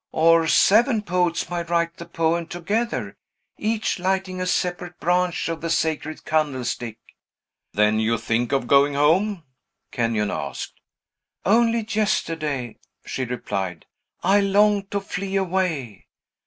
Or seven poets might write the poem together, each lighting a separate branch of the Sacred Candlestick." "Then you think of going home?" Kenyon asked. "Only yesterday," she replied, "I longed to flee away.